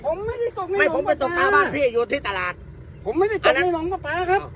ผมไม่ได้ตกไม่ลองปลาไม่ผมไปตกปลาบ้านพี่อยู่ที่ตลาดผมไม่ได้ตกไม่ลองปลาครับ